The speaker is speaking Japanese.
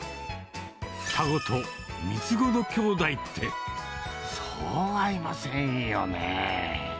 双子と三つ子のきょうだいって、そうはいませんよね。